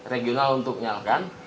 regional untuk menyalakan